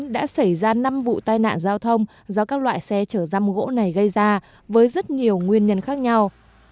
đã xảy ra năm vụ tai nạn giao thông do các loại xe chở răm gỗ này gây ra với rất nhiều nguyên nhân khác nhau